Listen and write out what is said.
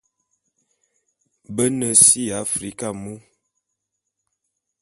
Be ne si ya Africa mu.